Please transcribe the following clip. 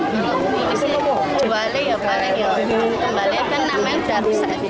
jualnya paling yang kembalikan namanya berarti saat di masalah kebanyakan